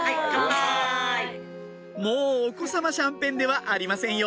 もうお子様シャンパンではありませんよ